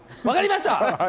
分かりました！